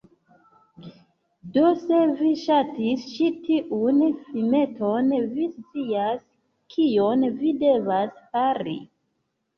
Do se vi ŝatis ĉi tiun filmeton, vi scias kion vi devas fari…